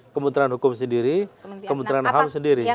kementerian hukum sendiri kementerian ham sendiri